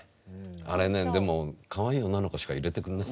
あれねでもかわいい女の子しか入れてくれない。